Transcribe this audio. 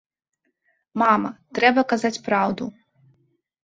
Мама, трэба казаць праўду.